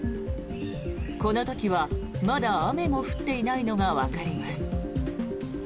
この時はまだ雨も降っていないのがわかります。